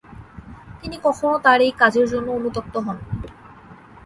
তিনি কখনো তার এই কাজের জন্য অনুতপ্ত হননি।